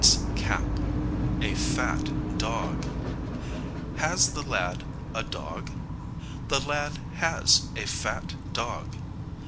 ] Nat's cap a fat dog Has the lad a dog? The lad has a fat dog.